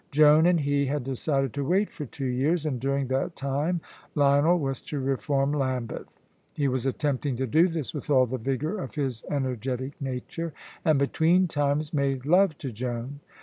Joan and he had decided to wait for two years, and during that time Lionel was to reform Lambeth. He was attempting to do this with all the vigour of his energetic nature, and between times made love to Joan.